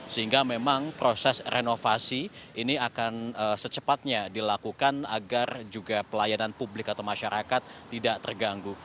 sehingga memang proses renovasi ini akan secepatnya dilakukan agar juga pelayanan publik atau masyarakat tidak terganggu